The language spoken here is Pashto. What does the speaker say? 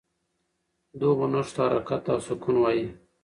دغو نښو ته حرکات او سکون وايي.